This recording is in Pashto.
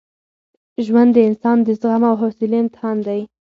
ژوند د انسان د زغم او حوصلې امتحان دی.